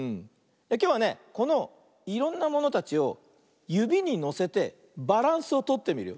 きょうはねこのいろんなものたちをゆびにのせてバランスをとってみるよ。